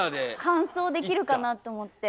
乾燥できるかなと思って。